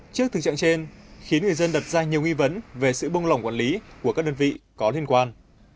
trước thực trạng trên khiến người dân đặt ra nhiều nghi vấn về sự buông lỏng quản lý của các đơn vị có liên quan